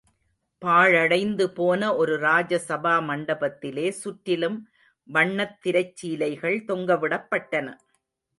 பாழடைந்து போன ஒரு ராஜசபா மண்டபத்திலே சுற்றிலும் வண்ணத் திரைச்சீலைகள் தொங்கவிடப்பட்டன.